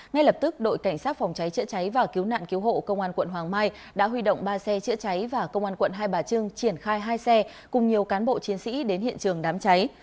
ngay lập tức đội cảnh sát phòng cháy chữa cháy và cứu nạn cứu hộ công an quận hoàng mai đã huy động ba xe chữa cháy và công an quận hai bà trưng triển khai hai xe cùng nhiều cán bộ chiến sĩ đến hiện trường đám cháy